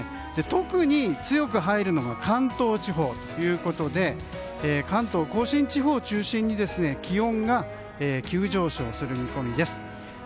特に強く入るのが関東地方で関東・甲信地方を中心に気温が急上昇する見込みです。